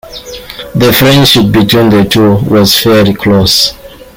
The friendship between the two was fairly close.